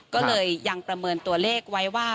ก็เลยยังประเมินตัวเลขไว้ว่า